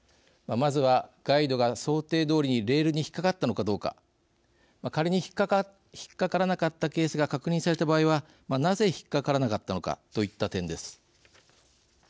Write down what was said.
まずは、ガイドが想定通りにレールに引っかかったのかどうか仮に引っ掛からなかったケースが確認された場合はなぜ引っ掛からなかったのかといった点です。